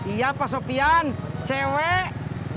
iya pak sopyan cewek